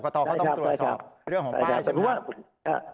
กรกตก็ต้องตรวจสอบเรื่องของป้ายใช่ไหมครับ